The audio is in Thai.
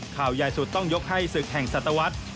ข่าวใหญ่สุดต้องยกให้ศึกแห่งศัตวรรษ